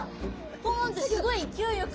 ポンってすごい勢いよく。